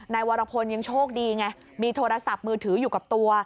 วรพลยังโชคดีไงมีโทรศัพท์มือถืออยู่กับตัว